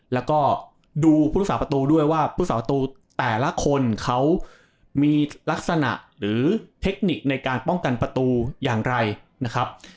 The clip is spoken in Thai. แล้วก็ดูผู้รักษาประตูด้วยว่าผู้สาประตูแต่ละคนเขามีลักษณะหรือเทคนิคในการป้องกันประตูอย่างไรนะครับ